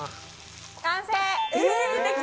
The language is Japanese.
完成！